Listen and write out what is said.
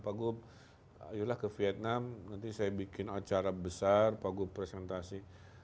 pak gub ayolah ke vietnam nanti saya bikin acara besar pak gub presentasi